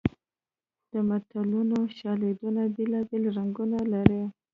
د متلونو شالیدونه بېلابېل رنګونه لري